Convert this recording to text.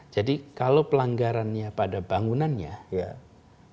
jadi kalau pelanggarannya pada bangunan itu